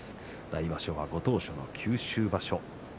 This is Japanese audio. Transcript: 来場所はご当所の九州場所。